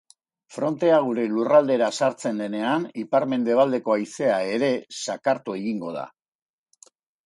Frontea gure lurraldera sartzen denean, ipar-mendebaldeko haizea ere zakartu egingo da.